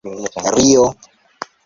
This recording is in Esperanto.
rio